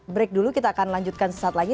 break dulu kita akan lanjutkan sesaat lagi